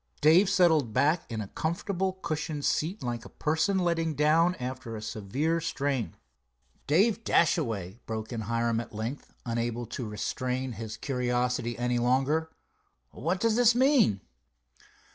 Dave settled back in the comfortable cushioned seat like a person letting down after a severe strain. "Dave Dashaway," broke in Hiram at length, unable to restrain his curiosity any longer, "what does this mean?"